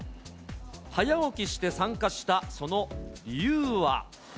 早起きして参加したその理由は。